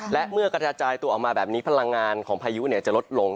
และเมื่อกระจายตัวออกมาแบบนี้พลังงานของพายุจะลดลง